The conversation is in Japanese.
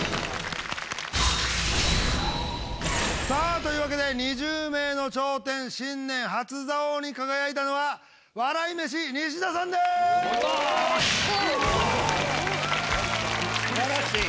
さあというわけで２０名の頂点新年初座王に輝いたのは笑い飯西田さんです！